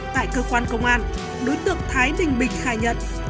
tại cơ quan công an đối tượng thái đình bịch khai nhận